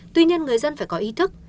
tuy nhiên người dân phải có ý thức